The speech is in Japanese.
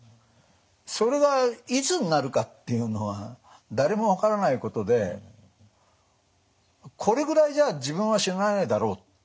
それがいつになるかっていうのは誰も分からないことでこれぐらいじゃ自分は死なないだろうって